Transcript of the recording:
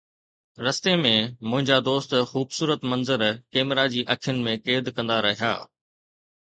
رستي ۾، منهنجا دوست خوبصورت منظر ڪئميرا جي اکين ۾ قيد ڪندا رهيا